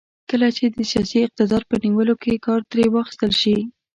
کله چې د سیاسي اقتدار په نیولو کې کار ترې واخیستل شي.